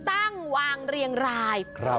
ตั้งวางเรียงราย